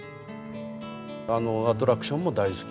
アトラクションも大好き。